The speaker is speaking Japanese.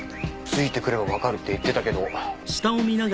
ついてくればわかるって言ってたけど。